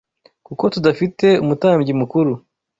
Kuko tudafite umutambyi mukuru